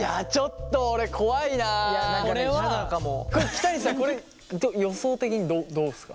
北西さんこれ予想的にどうすか？